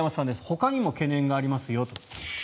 ほかにも懸念がありますよと。